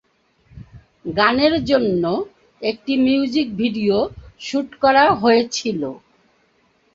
গানের জন্য একটি মিউজিক ভিডিও শ্যুট করা হয়েছিল।